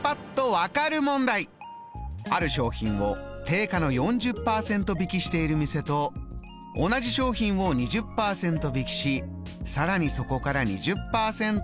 「ある商品を定価の４０％引きしている店と同じ商品を２０％引きしさらにそこから２０％割引した店。